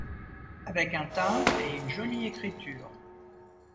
Avec un timbre et une jolie écriture.